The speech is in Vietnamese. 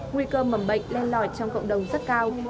nguy cơ mầm bệnh len lỏi trong cộng đồng rất cao